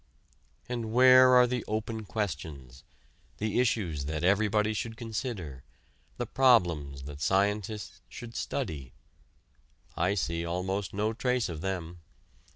And where are the open questions: the issues that everybody should consider, the problems that scientists should study? I see almost no trace of them.